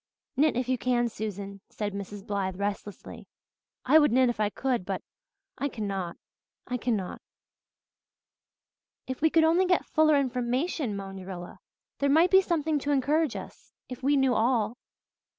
"Knit if you can, Susan," said Mrs. Blythe restlessly. "I would knit if I could but I cannot I cannot." "If we could only get fuller information," moaned Rilla. "There might be something to encourage us if we knew all."